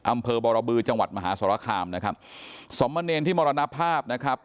อำเภอบรบือจังหวัดมหาสรคามนะครับสมเนรที่มรณภาพนะครับ